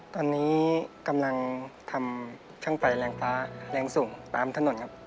ตอนนี้กำลังทำช่างไฟแรงฟ้าแรงสูงตามถนนครับ